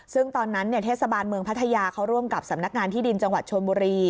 ซึ่งตอนนั้นเทศบาลเมืองพัทยาเขาร่วมกับสำนักงานที่ดินจังหวัดชนบุรี